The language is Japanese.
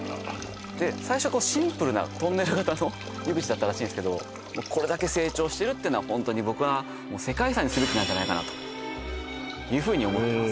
最初シンプルなトンネル形の湯口だったらしいんですけどこれだけ成長してるってのはホントに僕はもう世界遺産にすべきなんじゃないかなというふうに思ってます